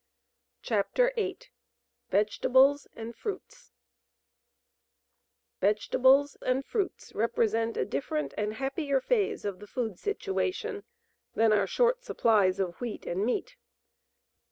CHAPTER VIII VEGETABLES AND FRUITS Vegetables and fruits represent a different and happier phase of the food situation than our short supplies of wheat and meat.